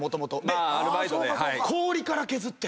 氷から削って。